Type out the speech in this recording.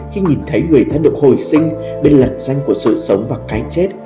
khi nhìn thấy người thân được hồi sinh bên lẩn danh của sự sống và cái chết